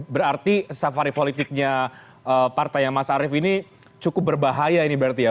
berarti safari politiknya partainya mas arief ini cukup berbahaya ini berarti ya